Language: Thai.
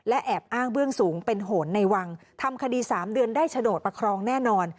แอบอ้างเบื้องสูงเป็นโหนในวังทำคดี๓เดือนได้โฉนดประครองแน่นอน